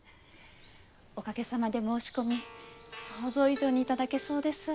おかげさまで申し込み想像以上に頂けそうです。